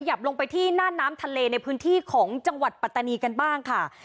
ลงไปที่หน้าน้ำทะเลในพื้นที่ของจังหวัดปัตตานีกันบ้างค่ะ